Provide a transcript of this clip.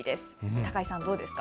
高井さん、どうですか？